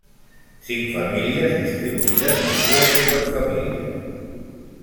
Cinc famílies distribuïdes en dues superfamílies.